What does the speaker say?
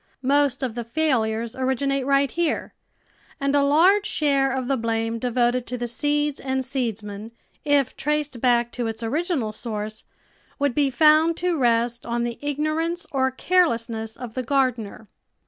Most of the failures originate right here, and a large share of the blame devoted to the seeds and seedsman, if traced back to its original source, would be found to rest on the ig norance or carelessnes of the gardener.